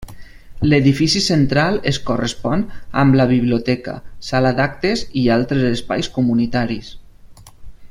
L'edifici central es correspon amb la biblioteca, sala d'actes i altres espais comunitaris.